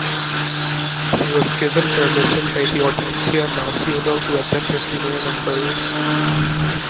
He was given permission by the Audiencia Nacional to attend her funeral and burial.